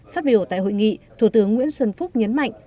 phát biểu tại hội nghị thủ tướng nguyễn xuân phúc nhấn mạnh